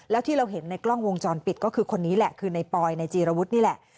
แล้วที่เราเห็นในกล้องวงจรปิดก็คือคนนี้แหละคือในปอยในจีรวุฒินี่แหละ